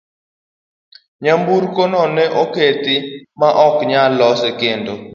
Nyamburko no ne okethi ma ne ok nyal lose kendo.